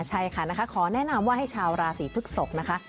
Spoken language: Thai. ใช่ค่ะนะคะขอแนะนำว่าให้ชาวราศีพฤกษกนะคะ